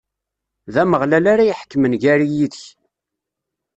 D Ameɣlal ara iḥekmen gar-i yid-k.